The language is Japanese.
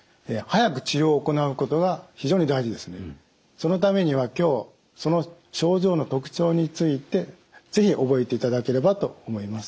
そのためには今日その症状の特徴について是非覚えていただければと思います。